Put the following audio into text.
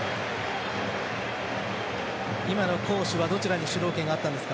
今の攻守はどちらに主導権があったんですか？